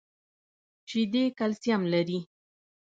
شیدې کلسیم لري